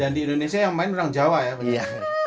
di indonesia yang main orang jawa ya